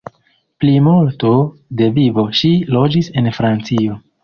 Plimulto de vivo ŝi loĝis en Francio.